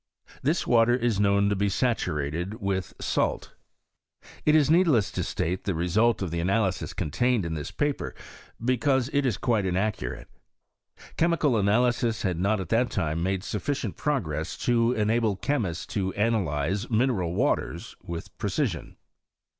This water ia known to be satu rated with salt. It is needless to state the result of the analyi^is contained in this paper, because it Is quit£ inaccurate. Chemical analysis had not at that time made sufficient prog'ress to enable chemists to analyze mineral waters with precisioD.